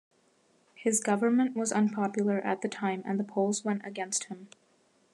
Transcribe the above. His government was unpopular at the time and the polls went against him.